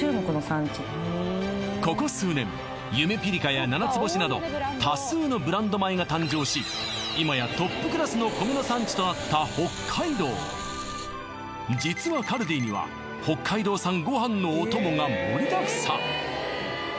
ここ数年「ゆめぴりか」や「ななつぼし」など多数のブランド米が誕生しとなった北海道実はカルディには北海道産ご飯のお供が盛りだくさん